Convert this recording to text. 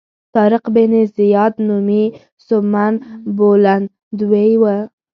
طارق بن زیاد نومي سوبمن بولندوی و.